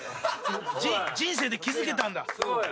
人生で気付けたんだ。